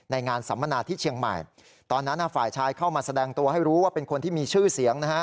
งานสัมมนาที่เชียงใหม่ตอนนั้นฝ่ายชายเข้ามาแสดงตัวให้รู้ว่าเป็นคนที่มีชื่อเสียงนะฮะ